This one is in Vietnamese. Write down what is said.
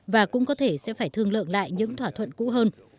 và cũng có thể sẽ phải thương lượng lại những thỏa thuận cũ hơn